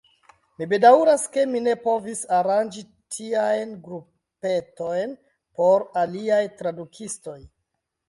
Mi bedaŭras, ke mi ne povis aranĝi tiajn grupetojn por aliaj tradukistoj.